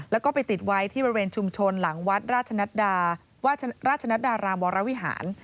แล้วก็ไปติดไว้ที่บริเวณชุมชนหลังวัดราชนัดดารามวรวิหาร